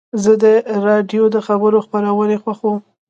زه د راډیو د خبرو خپرونې خوښوم.